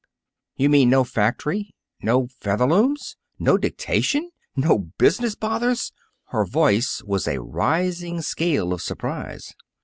"You mean no factory, no Featherlooms, no dictation, no business bothers!" Her voice was a rising scale of surprise.